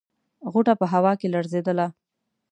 غوټه په هوا کې لړزېدله.